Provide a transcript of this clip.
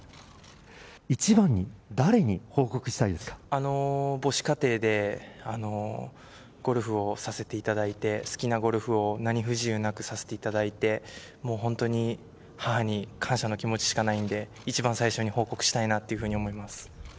一番に誰に報告したい母子家庭でゴルフをさせていただいて、好きなゴルフを何不自由なくさせていただいて、本当に母に感謝の気持ちしかないので、一番最初に報告したいなと思います。